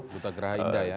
duta gerah indah ya